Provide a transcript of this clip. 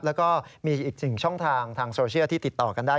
แล้วก็มีอีกหนึ่งช่องทางทางโซเชียลที่ติดต่อกันได้